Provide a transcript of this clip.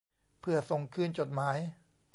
เพื่อส่งคืนจดหมาย